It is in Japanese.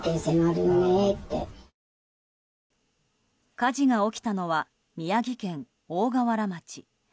火事が起きたのは宮城県大河原町。